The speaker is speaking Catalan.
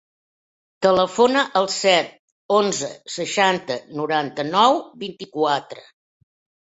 Telefona al set, onze, seixanta, noranta-nou, vint-i-quatre.